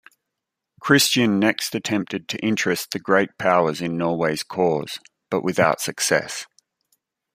Christian next attempted to interest the great powers in Norway's cause, but without success.